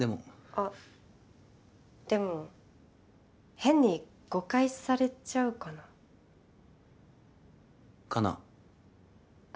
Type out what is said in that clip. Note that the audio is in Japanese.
あっでも変に誤解されちゃうかな？かなあ？